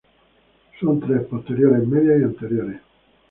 Son tres: posteriores, medias y anteriores.